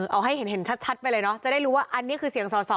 เอาให้เห็นชัดไปเลยเนาะจะได้รู้ว่าอันนี้คือเสียงสอสอ